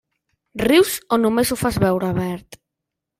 Rius o només ho fas veure, Albert?